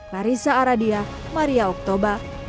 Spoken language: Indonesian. marissa aradia maria oktober